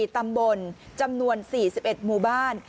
๔ตำบลจำนวน๔๑หมู่บ้าน